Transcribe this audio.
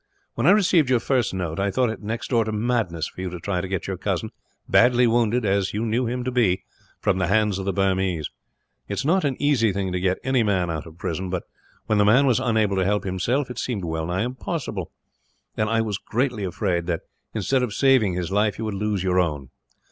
When I received your first note, I thought it next door to madness for you to try to get your cousin, badly wounded as you knew him to be, from the hands of the Burmese. It is not an easy thing to get any man out of prison but, when the man was unable to help himself, it seemed well nigh impossible; and I was greatly afraid that, instead of saving his life, you would lose your own.